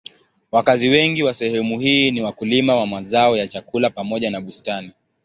Wakazi wengi wa sehemu hii ni wakulima wa mazao ya chakula pamoja na bustani.